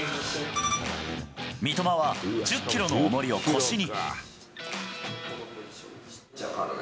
三笘は１０キロのおもりを腰に。